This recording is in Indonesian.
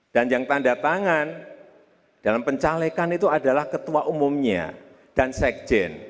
dan yang tanda tangan dalam pencalekan itu adalah ketua umumnya dan sekjen